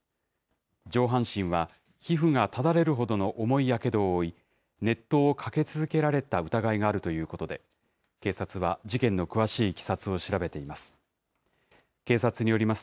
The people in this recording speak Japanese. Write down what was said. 上半身は皮膚がただれるほどの重いやけどを負い、熱湯をかけ続けられた疑いがあるということで、警察は事件の詳しいいきさつを調べています。